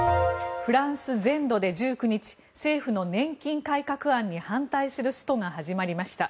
フランス全土で１９日政府の年金改革案に反対するストが始まりました。